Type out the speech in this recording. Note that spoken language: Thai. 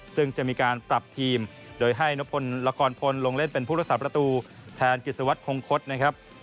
ซึ่งจะมีการปรับทีมโดยให้นพลละครพลลงเล่นเป็นผู้รักษาประตูแทนกิจสวัสดิคงคดนะครับ